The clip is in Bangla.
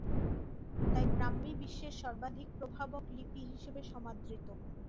তাই ব্রাহ্মী বিশ্বের সর্বাধিক প্রভাবক লিপি হিসেবে সমাদৃত।